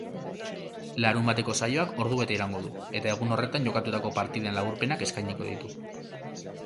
Larunbateko saioak ordubete iraungo du eta egun horretan jokatutako partiden laburpenak eskainiko ditu.